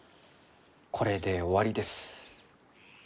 これで終わりです。